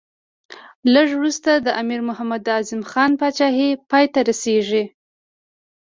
لږ وروسته د امیر محمد اعظم خان پاچهي پای ته رسېږي.